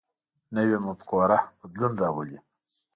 نوی مفکوره بدلون راولي